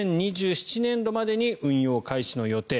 ２０２７年度までに運用開始の予定。